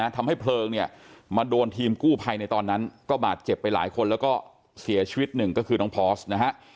ทำให้เพลิงเนี่ยมาโดนทีมกู้ภัยในตอนนั้นก็บาดเจ็บไปหลายคนแล้วก็เสียชีวิตหนึ่งก็คือน้องพอสนะฮะ